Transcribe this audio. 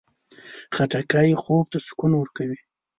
خټکی خوب ته سکون ورکوي.